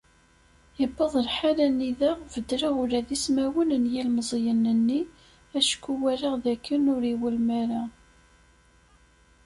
Iwweḍ lḥal anida beddleɣ ula d ismawen n yilemẓiyen-nni, acku walaɣ dakken ur iwulem ara.